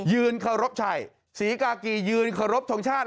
ยืนเคารพใช่ศรีกากียืนเคารพทรงชาติ